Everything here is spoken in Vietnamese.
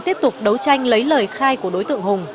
tiếp tục đấu tranh lấy lời khai của đối tượng hùng